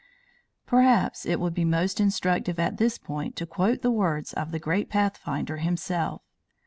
Perhaps it will be most instructive at this point to quote the words of the great Pathfinder himself.